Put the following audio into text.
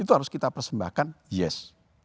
itu harus kita persembahkan yes